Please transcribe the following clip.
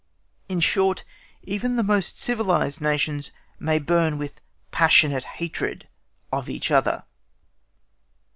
In short, even the most civilised nations may burn with passionate hatred of each other.